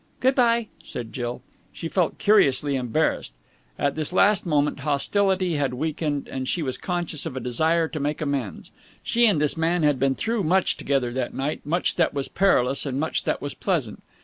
"Good bye," said Jill. She felt curiously embarrassed. At this last moment hostility had weakened, and she was conscious of a desire to make amends. She and this man had been through much together that night, much that was perilous and much that was pleasant.